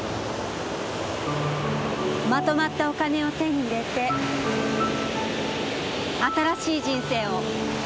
まとまったお金を手に入れて新しい人生を。